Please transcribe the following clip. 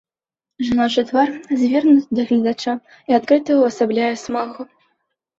Жаночы твар звернуты да гледача і адкрыта ўвасабляе смагу.